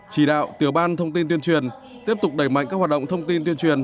chỉ đạo tiểu ban thông tin tuyên truyền tiếp tục đẩy mạnh các hoạt động thông tin tuyên truyền